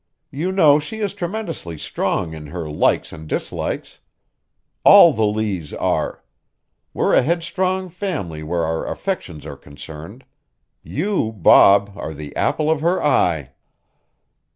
"You know she is tremendously strong in her likes and dislikes. All the Lees are. We're a headstrong family where our affections are concerned. You, Bob, are the apple of her eye."